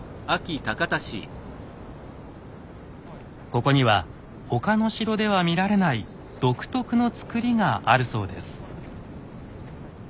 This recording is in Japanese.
ここには他の城では見られない独特の造りがあるそうです。